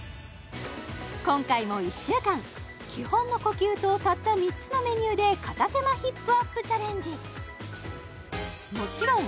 今回も１週間基本の呼吸とたった３つのメニューで片手間ヒップアップチャレンジ